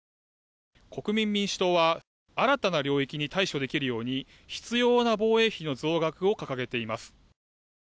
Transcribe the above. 国民民主党は新たな領域に対処できるように必要な防衛費の増額を掲げています。